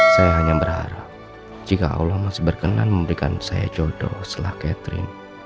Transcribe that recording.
saya hanya berharap jika allah masih berkenan memberikan saya jodoh setelah catherine